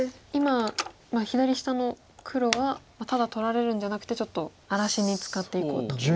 今左下の黒はただ取られるんじゃなくてちょっと荒らしに使っていこうと。